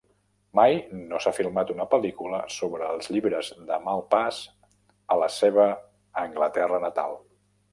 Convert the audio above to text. Mai no s'ha filmat una pel·lícula sobre els llibres de Malpass a la seva Anglaterra natal.